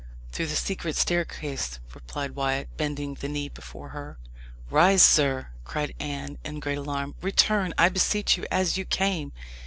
"Through the secret staircase," replied Wyat, bending the knee before her. "Rise, sir!" cried Anne, in great alarm. "Return, I beseech you, as you came.